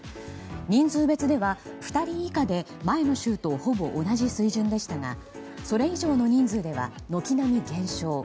人数別では２人以下で前の週とほぼ同じ水準でしたがそれ以上の人数では軒並み減少。